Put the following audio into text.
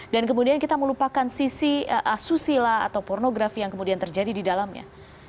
dan kemudian kita melupakan sisi susila atau pornografi yang kemudian terjadi di dalamnya